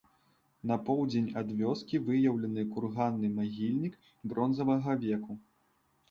На поўдзень ад вёскі выяўлены курганны могільнік бронзавага веку.